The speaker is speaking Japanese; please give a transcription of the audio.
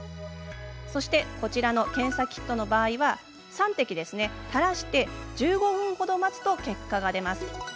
そしてこちらの検査キットの場合３滴垂らし１５分ほど待つと結果が出ます。